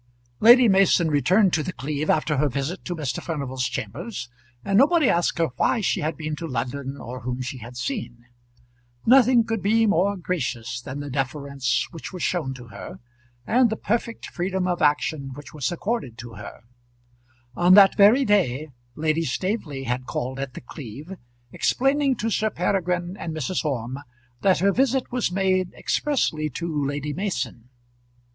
Lady Mason returned to The Cleeve after her visit to Mr. Furnival's chambers, and nobody asked her why she had been to London or whom she had seen. Nothing could be more gracious than the deference which was shown to her, and the perfect freedom of action which was accorded to her. On that very day Lady Staveley had called at The Cleeve, explaining to Sir Peregrine and Mrs. Orme that her visit was made expressly to Lady Mason.